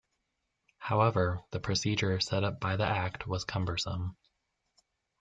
However, the procedure set up by the Act was cumbersome.